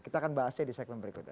kita akan bahasnya di segmen berikutnya